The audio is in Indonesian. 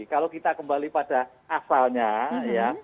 kalau kita kembali pada asalnya ya